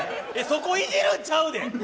そこイジるんちゃうで？